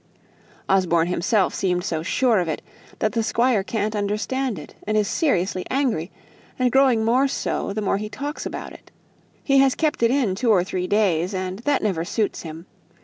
Osborne himself seemed so sure of it, that the squire can't understand it, and is seriously angry, and growing more so the more he talks about it. He has kept it in two or three days, and that never suits him.